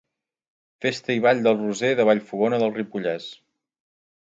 Festa i Ball del Roser de Vallfogona del Ripollès.